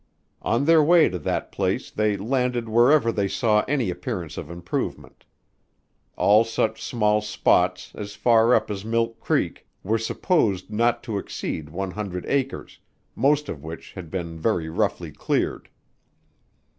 On their way to that place they landed wherever they saw any appearance of improvement: all such small spots, as far up as Milk Creek, were supposed not to exceed one hundred acres, most of which had been very roughly cleared.